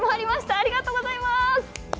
ありがとうございます。